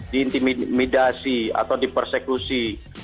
di intimidasi atau di persekusi